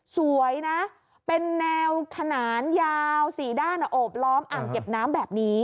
สวยนะเป็นแนวขนานยาว๔ด้านโอบล้อมอ่างเก็บน้ำแบบนี้